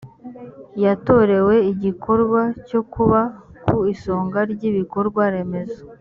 yatorewe igikorwa cyo kuba ku isonga ry ibikorwa remezo